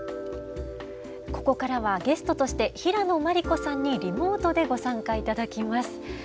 ここからはゲストとして平野真理子さんにリモートでご参加頂きます。